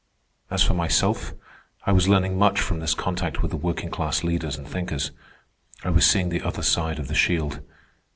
As for myself, I was learning much from this contact with the working class leaders and thinkers. I was seeing the other side of the shield.